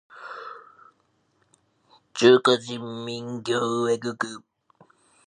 中華人民共和国